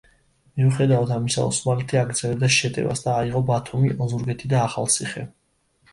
მიუხედავად ამისა, ოსმალეთი აგრძელებდა შეტევას და აიღო ბათუმი, ოზურგეთი და ახალციხე.